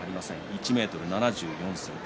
１ｍ７４ｃｍ。